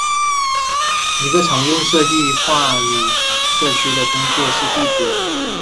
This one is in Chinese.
一个常用的设计话语社区的工具是地图。